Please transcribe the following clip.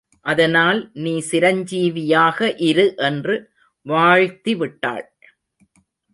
அதனால் நீ சிரஞ்சீவியாக இரு என்று வாழ்த்தி விட்டாள்.